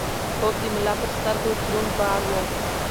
خوب د ملا پر سترګو دروند بار و.